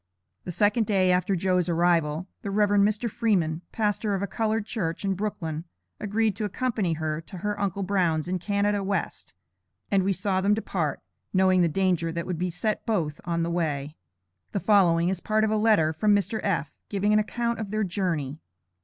The second day after "Joe's" arrival, the Rev. Mr. Freeman, pastor of a colored church in Brooklyn, agreed to accompany her to her uncle Brown's in Canada West, and we saw them depart, knowing the danger that would beset both on the way. The following is part of a letter from Mr. F., giving an account of their journey.